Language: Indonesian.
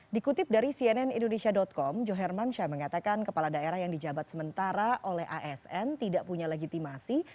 dikutip dari cnn indonesia com joherman syah mengatakan kepala daerah yang dijabat sementara oleh asn tidak punya legitimasi